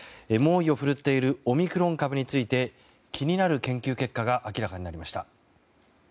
猛威を振るっているオミクロン株について気になる研究結果が明らかになりました。